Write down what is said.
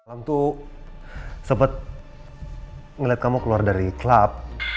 malam tuh sempat ngeliat kamu keluar dari klub